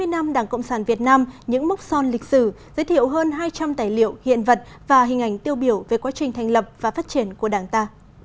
hai mươi năm đảng cộng sản việt nam những mốc son lịch sử giới thiệu hơn hai trăm linh tài liệu hiện vật và hình ảnh tiêu biểu về quá trình thành lập và phát triển của đảng ta